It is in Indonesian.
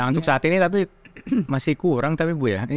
untuk saat ini tapi masih kurang tapi bu ya